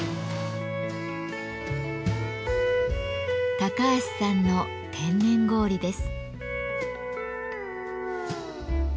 高橋さんの天然氷です。